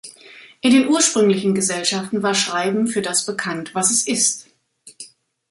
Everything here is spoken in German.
In den ursprünglichen Gesellschaften war Schreiben für das bekannt, was es ist.